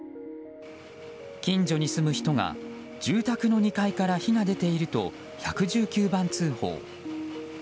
近所に住む人が住宅の２階から火が出ていると１１９番通報。